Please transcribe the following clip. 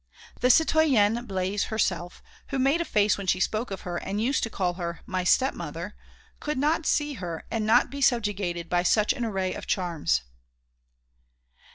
The citoyenne Blaise herself, who made a face when she spoke of her and used to call her "my step mother," could not see her and not be subjugated by such an array of charms.